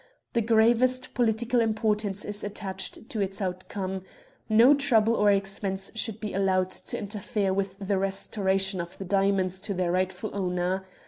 The gravest political importance is attached to its outcome. No trouble or expense should be allowed to interfere with the restoration of the diamonds to their rightful owner.